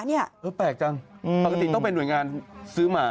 แปลกจังปกติต้องเป็นห่วยงานซื้อหมา